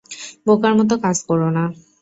বোকার মতো কাজ করো না।